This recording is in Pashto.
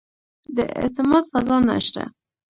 د اعتماد فضا نه شته.